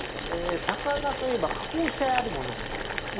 魚といえば加工してあるものもあります。